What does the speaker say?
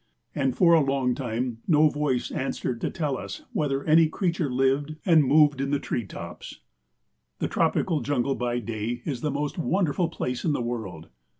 And for a long time no voice answered to tell us whether any creature lived and moved in the tree tops. The tropical jungle by day is the most wonderful place in the world.